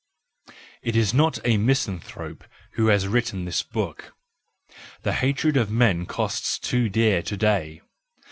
—It is not a misanthrope who has written this book: the hatred of men costs too dear to day.